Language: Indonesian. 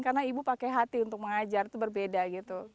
karena ibu pakai hati untuk mengajar itu berbeda gitu